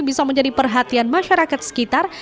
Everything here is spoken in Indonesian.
bisa menjadi perhatian masyarakat sekitar